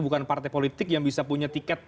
bukan partai politik yang bisa punya tiket